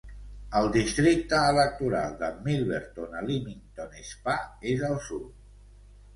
El districte electoral de Milverton a Leamington Spa és al sud.